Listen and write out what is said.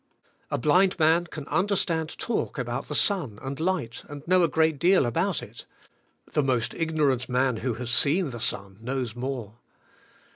A blind man can understand talk about the sun, and light, and know a great deal about it; the most ignorant man who has seen the sun knovrs more.